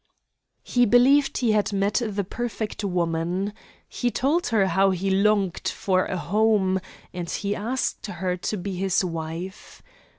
He believed he had met the perfect woman. He told her how he longed for a home, and he asked her to be his wife.